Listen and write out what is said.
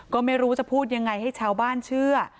ก็ไม่รู้จะพูดยังไงให้ชาวบ้านเชื่อ